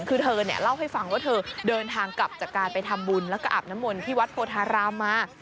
คือเธอเนี่ยเล่าให้ฟังว่าเธอเดินทางกลับจากการไปทำบุญแล้วก็อาบน้ำมนต์ที่วัดโพธารามมา